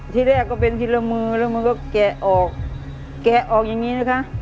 ที่แรกก็เป็นทีละมือแล้วมันก็แกะออกแกะออกอย่างนี้นะคะ